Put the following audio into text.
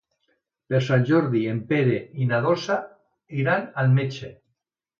Per Sant Jordi en Pere i na Dolça iran al metge.